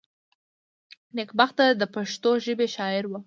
نېکبخته دپښتو ژبي شاعره وه.